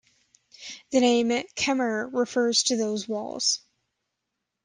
The name "Kemer" refers to those walls.